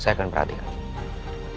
saya akan perhatikan